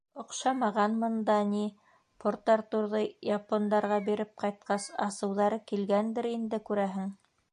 — Оҡшамағанмын да ни, Порт-Артурҙы япондарға биреп ҡайтҡас, асыуҙары килгәндер инде, күрәһең.